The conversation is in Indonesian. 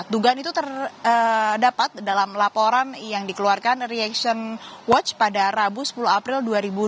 dugaan itu terdapat dalam laporan yang dikeluarkan reaction watch pada rabu sepuluh april dua ribu dua puluh